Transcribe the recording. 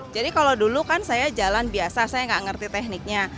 jadi kalau dulu kan saya jalan biasa saya nggak ngerti tekniknya